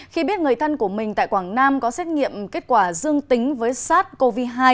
khi biết người thân của mình tại quảng nam có xét nghiệm kết quả dương tính với sars cov hai